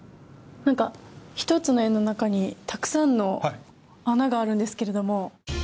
１つの円の中にたくさんの穴があるんですけれども。